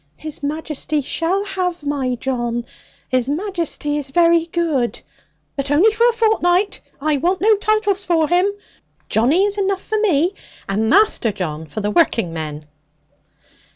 'His Majesty shall have my John; His Majesty is very good: but only for a fortnight. I want no titles for him. Johnny is enough for me; and Master John for the working men.'